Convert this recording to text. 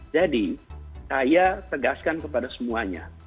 jadi saya tegaskan kepada semuanya